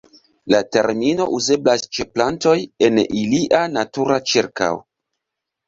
La termino uzeblas ĉe plantoj en ilia natura ĉirkaŭ.